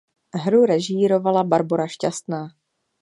Hru režírovala Barbora Šťastná.